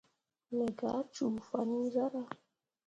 Me gah cuu fan iŋ zarah.